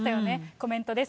コメントです。